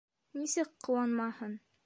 Нисек ҡыуанмаһын!